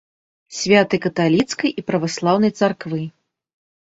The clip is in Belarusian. Святы каталіцкай і праваслаўнай царквы.